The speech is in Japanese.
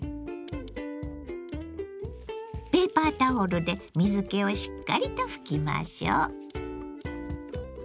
ペーパータオルで水けをしっかりと拭きましょう。